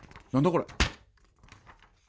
これ。